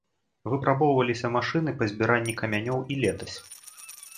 Выпрабоўваліся машыны па збіранні камянёў і летась.